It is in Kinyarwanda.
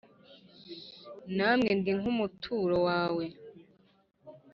Namwe ndi nk'umuturo wawe